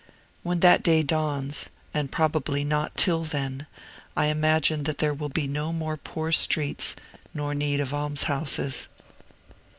When that day dawns, and probably not till then, I imagine that there will be no more poor streets nor need of almshouses.